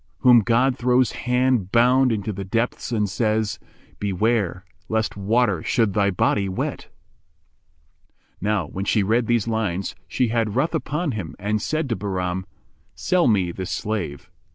[FN#394] Whom God throws hand bound in the depths and says, * Beware lest water should thy body wet?"[FN#395] Now when she read these lines, she had ruth upon him and said to Bahram, "Sell me this slave."